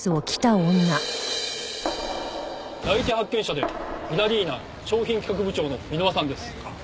第一発見者でギラリーナ商品企画部長の箕輪さんです。